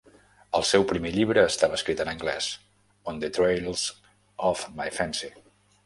El seu primer llibre estava escrit en anglès: On the Trails of my Fancy.